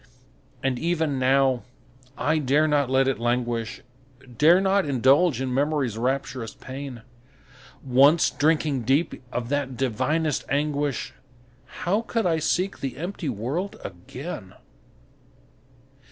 And even now, I dare not let it languish, Dare not indulge in Memory's rapturous pain; Once drinking deep of that divinest anguish, How could I seek the empty world again?